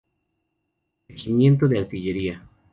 Regimiento de Artillería.